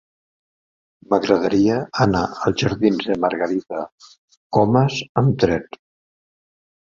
M'agradaria anar als jardins de Margarida Comas amb tren.